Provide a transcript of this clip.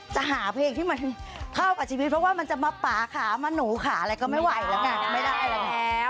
จะหาเพลงที่มันเข้ากับชีวิตเพราะว่ามันจะมาป่าขามาหนูขาอะไรก็ไม่ไหวแล้วไงไม่ได้แล้ว